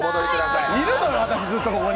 いるのよ、私ずっと、ここに。